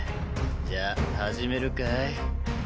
じゃあ始めるかい？